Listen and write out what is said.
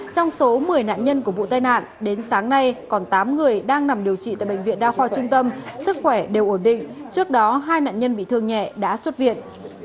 trong số một mươi nạn nhân của vụ tai nạn đến sáng nay còn tám người đang nằm điều trị tại bệnh viện đa khoa trung tâm sức khỏe đều ổn định trước đó hai nạn nhân bị thương nhẹ đã xuất viện